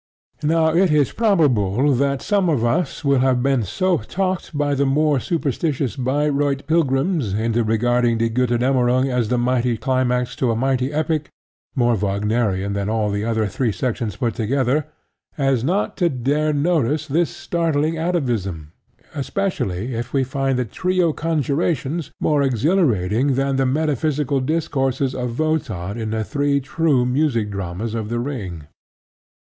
Now it is probable that some of us will have been so talked by the more superstitious Bayreuth pilgrims into regarding Die Gotterdammerung as the mighty climax to a mighty epic, more Wagnerian than all the other three sections put together, as not to dare notice this startling atavism, especially if we find the trio conjurations more exhilarating than the metaphysical discourses of Wotan in the three true music dramas of The Ring.